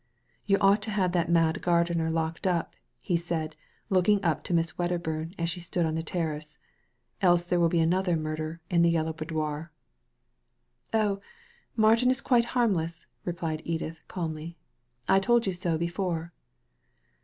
'*You ought to have that mad gardener locked up," he said, looking up to Miss Wedderburn as she stood on the terrace, ''else there will be another murder in the Yellow Boudoir." "Oh, Martin is quite harmless," replied Edith, calmly. " I told you so before."